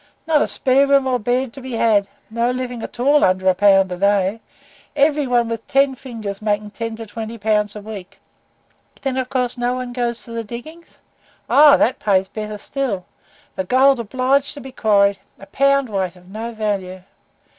"Not a spare room or bed to be had no living at all under a pound a day every one with ten fingers making ten to twenty pounds a week." "Then of course no one goes to the diggings?" "Oh, that pays better still the gold obliged to be quarried a pound weight of no value."